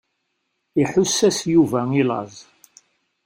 Iḥuss-as Yuba i laẓ.